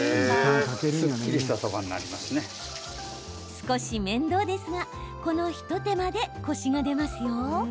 少し面倒ですがこの一手間でコシが出ますよ。